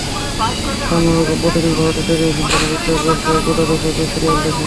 সালমা বেগম প্রতিদিন ভারতীয় television channel star জলসায় গোটা দশেক সিরিয়াল দেখেন।